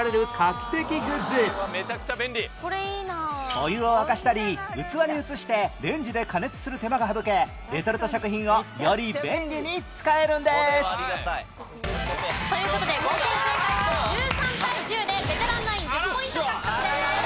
お湯を沸かしたり器に移してレンジで加熱する手間が省けレトルト食品をより便利に使えるんですという事で合計正解数１３対１０でベテランナイン１０ポイント獲得です。